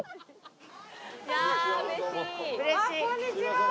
こんにちは。